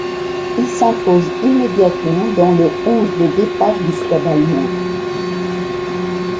Il s'impose immédiatement dans le onze de départ du club allemand.